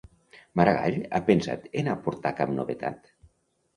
Maragall ha pensat en aportar cap novetat?